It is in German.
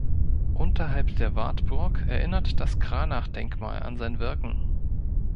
Unterhalb der Wartburg erinnert das Cranach-Denkmal an sein Wirken.